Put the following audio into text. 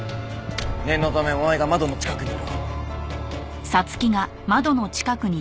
念のためお前が窓の近くにいろ。